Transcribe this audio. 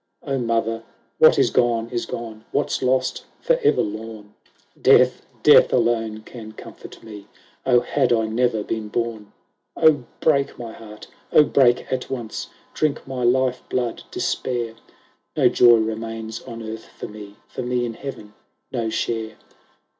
x " O mother, what is gone, is gone, What's lost, for ever lorn : Death, death alone can comfort me ; O had I ne'er been born ! XI " O break, my heart, O break at once ! Drink my life blood, Despair ! No joy remains on earth for me, For me in heaven no share."